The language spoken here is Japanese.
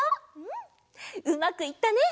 うんうまくいったね！